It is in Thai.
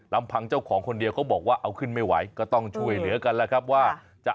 ลำพังเจ้าของคนเดียวเขาบอกว่าเอาขึ้นไม่ไหวก็ต้องช่วยเหลือกันแล้วครับว่าจะ